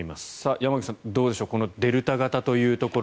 山口さん、どうでしょうこのデルタ型というところ。